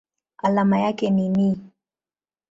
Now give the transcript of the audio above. Alama yake ni Ni.